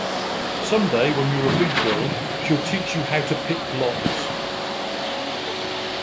Someday, when you're a big girl, she'll teach you how to pick locks.